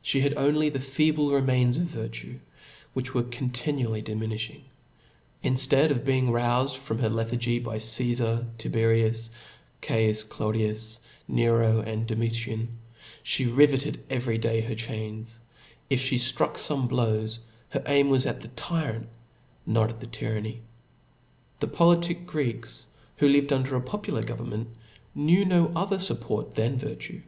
She had only the feeble remains of vir tue» which were continually diminifhing : inftead of being roufed out of her lethargy, by Csfar, Tiberius, Caius Claudius, Nero, Domitian, fhe ri veted every day her chains ; if (he ftruck fome blows, her aim was at the tyrant> but not at the ufurpation. The politic Greeks, who lived under a popular government, knew no other fupport than virtue.